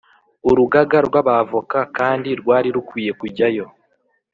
Urugaga, rw’abavoka kandi rwari rukwiye kujyayo